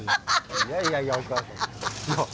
いやいやいやおかあさん。